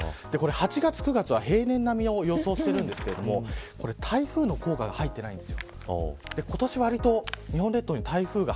８月、９月は平年並みを予想していますが台風の効果が入っていないんです。